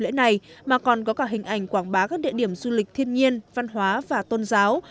lễ này mà còn có cả hình ảnh quảng bá các địa điểm du lịch thiên nhiên văn hóa và tôn giáo